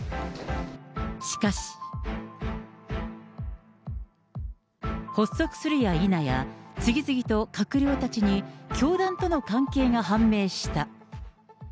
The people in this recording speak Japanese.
しかし。発足するや否や、次々と閣僚たちに教団との関係が判明した。